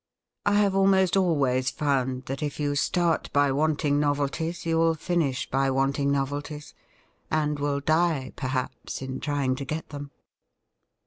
I have almost always found that if you start by wanting novelties, you will finish by wanting novelties, and will die perhaps in trying to get them.'